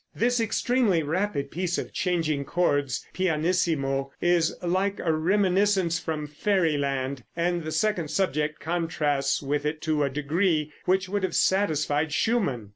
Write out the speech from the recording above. This extremely rapid piece of changing chords pianissimo is like a reminiscence from fairy land, and the second subject contrasts with it to a degree which would have satisfied Schumann.